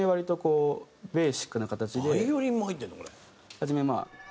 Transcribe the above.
初めまあ。